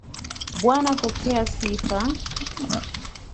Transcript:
Bwana pokea sifa.